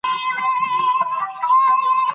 همدارنګه په بل ځای کی د مسلمانو صفت بیانوی